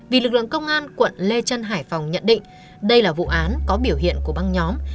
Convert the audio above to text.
vì lực lượng công an quận lê trân hải phòng nhận định đây là vụ án có biểu hiện của băng nhóm